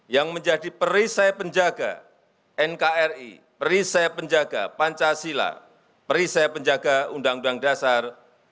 yang menjadi perisai penjaga nkri perisai penjaga pancasila perisai penjaga undang undang dasar seribu sembilan ratus empat puluh lima